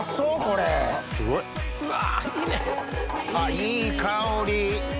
いい香り。